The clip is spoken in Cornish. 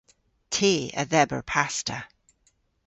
Ty a dheber pasta.